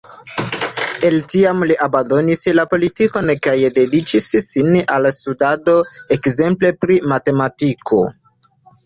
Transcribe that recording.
El tiam li abandonis la politikon kaj dediĉis sin al studado, ekzemple pri matematiko.